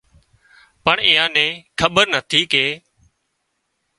پڻ ايئان نين کٻير نٿي ڪي